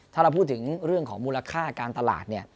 ถ้าเราพูดถึงเรื่องของมูลค่าการตลาดเนี่ย